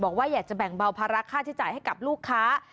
บอกว่าอยากจะแบ่งเบาภาระค่าใช้จ่ายให้กับลูกค้า